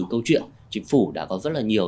câu chuyện chính phủ đã có rất là nhiều